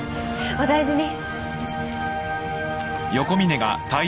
お大事に。